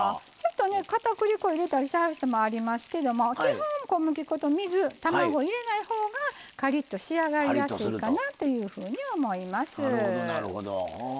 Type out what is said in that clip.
かたくり粉入れる人もありますけど基本、小麦粉と水入れないほうがかりっと仕上がりやすいかなというふうに思います。